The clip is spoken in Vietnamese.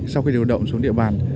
sau khi điều động xuống địa bàn